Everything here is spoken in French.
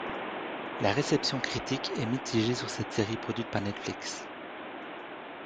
La réception critique est mitigée sur cette série produite par Netflix.